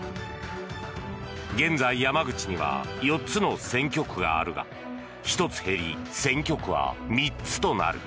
現在、山口には４つの選挙区があるが１つ減り、選挙区は３つとなる。